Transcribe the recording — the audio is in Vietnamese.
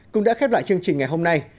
cũng đã khép lại chương trình ngày hôm nay